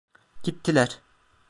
Gittiler.